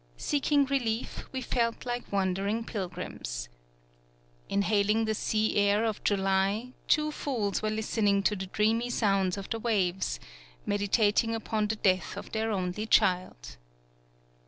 Seeking relief, we felt like wandering pilgrims. Inhaling the sea air of July, two fools were listening to the dreamy sounds of the waves, medi tating upon the death of their only child.